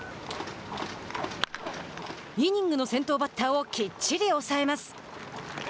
イニングの先頭バッターをきっちり抑えます。